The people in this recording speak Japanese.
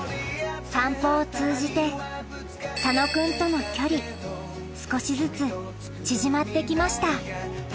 散歩を通じて佐野君との距離少しずつ縮まって来ました